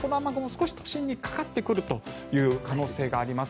少し都心にかかってくるという可能性があります。